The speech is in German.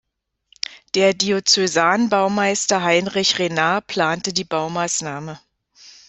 Der Diözesanbaumeister Heinrich Renard plante die Baumaßnahme.